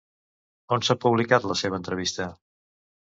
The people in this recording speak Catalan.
On s'ha publicat la seva entrevista?